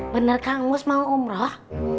bener kang mus mau umroh